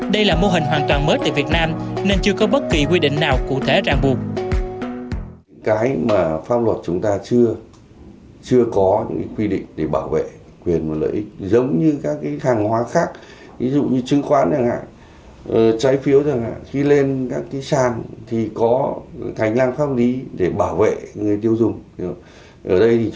đây là mô hình hoàn toàn mới tại việt nam nên chưa có bất kỳ quy định nào cụ thể ràng buộc